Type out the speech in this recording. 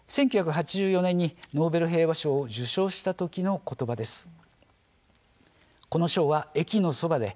１９８４年にノーベル平和賞を受賞したときのことばです。